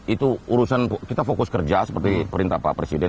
itu urusan kita fokus kerja seperti perintah pak presiden